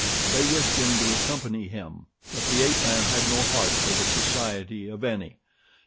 They wished him to accompany him; but the ape man had no heart for the society of any.